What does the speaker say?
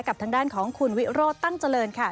ทางด้านของคุณวิโรธตั้งเจริญค่ะ